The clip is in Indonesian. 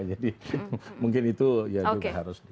jadi mungkin itu ya juga harus